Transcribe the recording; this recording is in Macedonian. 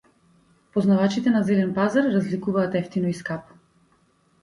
Познавачите на зелен пазар разликуваат евтино и скапо.